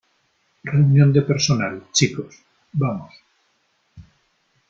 Reunión de personal , chicos . Vamos .